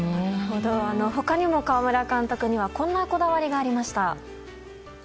他にも川村監督にはこんなこだわりがありました。